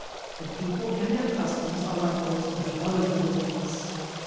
The people and their customs are like those of the other villages.